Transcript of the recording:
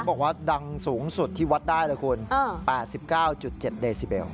บอกว่าดังสูงสุดที่วัดได้เลยคุณ๘๙๗เดซิเบล